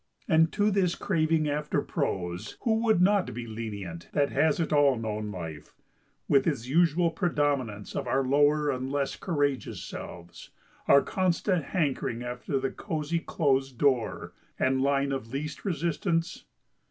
And to this craving after prose, who would not be lenient, that has at all known life, with its usual predominance of our lower and less courageous selves, our constant hankering after the cosey closed door and line of least resistance?